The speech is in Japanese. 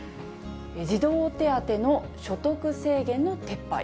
児童手当の所得制限の撤廃。